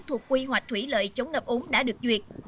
thuộc quy hoạch thủy lợi chống ngập úng đã được duyệt